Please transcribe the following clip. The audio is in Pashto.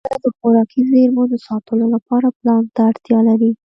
کرنه د خوراکي زېرمو د ساتلو لپاره پلان ته اړتیا لري.